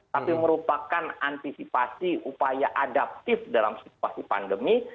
tapi merupakan antisipasi upaya adaptif dalam situasi pandemi